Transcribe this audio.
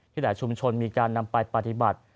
หลายชุมชนมีการนำไปปฏิบัติ